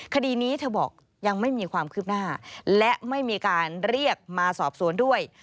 คดีนี้เธอบอกยังไม่มีความคืบหน้าและไม่มีการเรียกมาสอบสวนด้วย